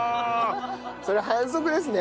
それ反則ですね。